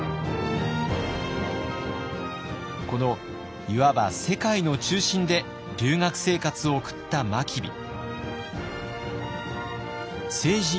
このいわば世界の中心で留学生活を送った真備。